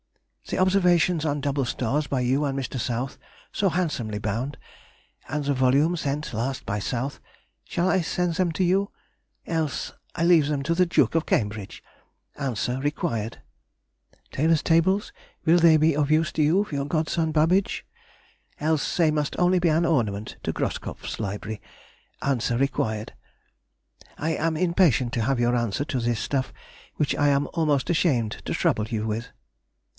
The observations on double stars by you and Mr. South (so handsomely bound) and the volume sent last, by South, shall I send them to you?—else I leave them to the Duke of Cambridge!—answer required. Taylor's tables, will they be of use to you for your godson Babbage?—else they must be only an ornament to Groskopf's library!—answer required. I am impatient to have your answer to this stuff, which I am almost ashamed to trouble you with.